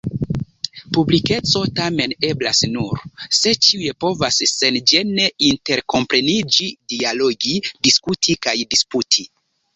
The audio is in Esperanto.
Publikeco tamen eblas nur, se ĉiuj povas senĝene interkompreniĝi, dialogi, diskuti kaj disputi.